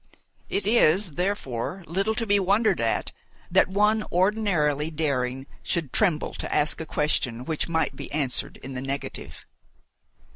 It is, therefore, little to be wondered at that one ordinarily daring should tremble to ask a question which might be answered in the negative.